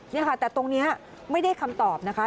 นี่ค่ะแต่ตรงนี้ไม่ได้คำตอบนะคะ